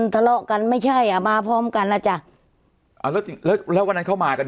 ทะเลาะกันไม่ใช่อ่ะมาพร้อมกันนะจ๊ะอ่าแล้วแล้ววันนั้นเขามากัน